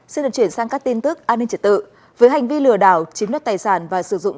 xin được chuyển sang các tin tức an ninh trật tự với hành vi lừa đảo chiếm đất tài sản và sử dụng